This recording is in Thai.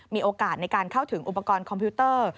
มีโอกาสในการเข้าถึงอุปกรณ์คอมพิวเตอร์